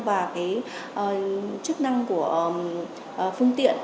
và chức năng của phương tiện